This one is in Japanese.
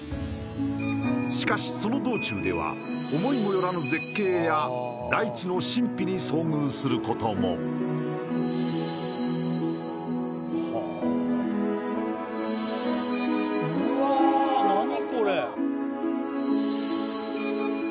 しかしその道中では思いもよらぬ絶景や大地の神秘に遭遇することもうわ何これ？